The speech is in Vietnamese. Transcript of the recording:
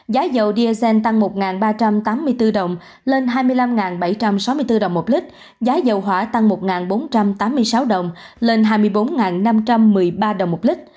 giá dầu diesel tăng một ba trăm tám mươi bốn đồng lên hai mươi năm bảy trăm sáu mươi bốn đồng một lít giá dầu hỏa tăng một bốn trăm tám mươi sáu đồng lên hai mươi bốn năm trăm một mươi ba đồng một lít